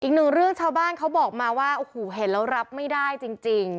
อีกหนึ่งเรื่องชาวบ้านเขาบอกมาว่าโอ้โหเห็นแล้วรับไม่ได้จริง